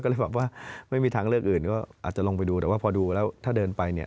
ก็เลยแบบว่าไม่มีทางเลือกอื่นก็อาจจะลงไปดูแต่ว่าพอดูแล้วถ้าเดินไปเนี่ย